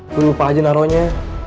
gua lupa aja naronya